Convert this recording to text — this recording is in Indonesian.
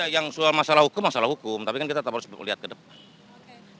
yang soal masalah hukum masalah hukum tapi kan kita tetap harus melihat ke depan